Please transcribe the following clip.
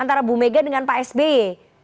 antara bu mega dengan pak sby